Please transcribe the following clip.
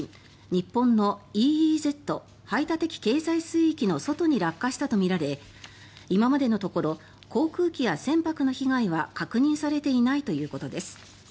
日本のＥＥＺ・排他的経済水域の外に落下したとみられ今までのところ航空機や船舶の被害は確認されていないということです。